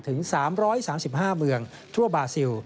ถึง๓๓๕เมืองทั่วบาซิล